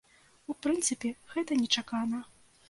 У прынцыпе, гэта нечакана.